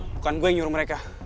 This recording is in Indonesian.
bukan gue yang nyuruh mereka